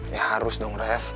ya harus dong rev